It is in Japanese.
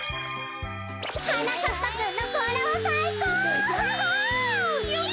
はなかっぱくんのこうらはさいこう！